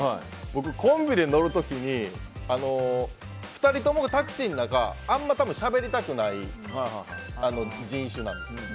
僕、コンビで乗る時に２人ともタクシーの中あんまりしゃべりたくない人種なんです。